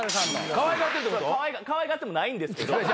かわいがってもないけど。